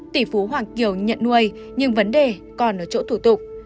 tỷ phú hoàng kiều nhận nuôi nhưng vấn đề còn ở chỗ thủ tục